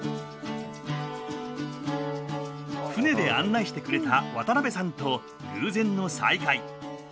船で案内してくれた渡辺さんと偶然の再会。